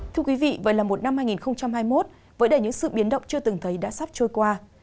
thưa quý vị vậy là một năm hai nghìn hai mươi một với đầy những sự biến động chưa từng thấy đã sắp trôi qua